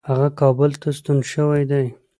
هغه کابل ته ستون شوی دی.